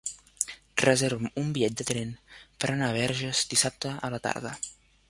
Reserva'm un bitllet de tren per anar a Verges dissabte a la tarda.